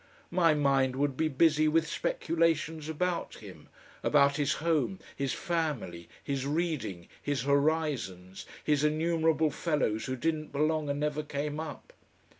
My mind would be busy with speculations about him, about his home, his family, his reading, his horizons, his innumerable fellows who didn't belong and never came up.